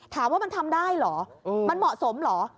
ถามว่ามันทำได้เหรอมันเหมาะสมเหรอ